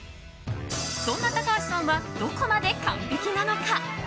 そんな高橋さんはどこまで完璧なのか。